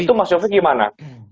itu mas sofi gimana